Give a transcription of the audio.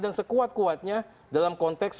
dan sekuat kuatnya dalam konteks